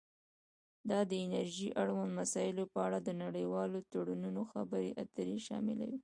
دا د انرژۍ اړوند مسایلو په اړه د نړیوالو تړونونو خبرې اترې شاملوي